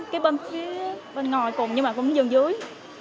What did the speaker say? cái bên phía bên ngoài cùng nhưng mà cũng dường dưới